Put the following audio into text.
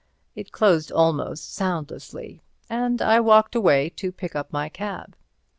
It closed almost soundlessly, and I walked away to pick up my cab.